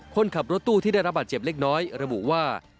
คนขับรถตู้ที่ได้รับบาดเจ็บเล็กน้อยระบุว่า